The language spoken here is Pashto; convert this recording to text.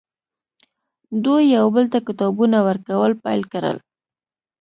دوی یو بل ته کتابونه ورکول پیل کړل